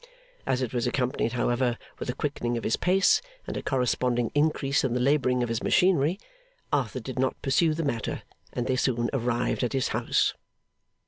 As it was accompanied, however, with a quickening of his pace and a corresponding increase in the labouring of his machinery, Arthur did not pursue the matter, and they soon arrived at his house.